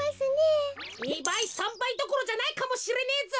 ２ばい３ばいどころじゃないかもしれねえぞ。